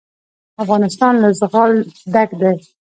افغانستان له زغال ډک دی.